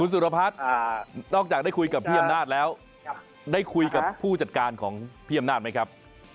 สุรพัฒน์นอกจากได้คุยกับพี่อำนาจแล้วได้คุยกับผู้จัดการของพี่อำนาจไหมครับ